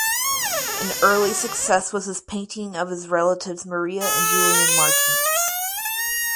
An early success was his painting of his relatives Maria and Julian Martinez.